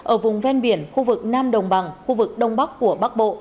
ở vùng ven biển khu vực nam đồng bằng khu vực đông bắc của bắc bộ